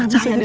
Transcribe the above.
hah bisa jadi